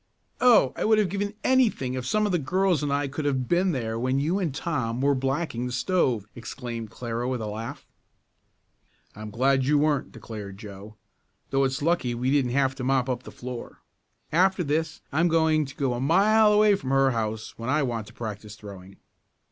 "Oh, I would have given anything if some of the girls and I could have been there when you and Tom were blacking the stove!" exclaimed Clara with a laugh. "I'm glad you weren't," declared Joe, "though it's lucky we didn't have to mop up the floor. After this I'm going to go a mile away from her house when I want to practice throwing."